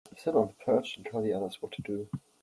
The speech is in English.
Sit on the perch and tell the others what to do.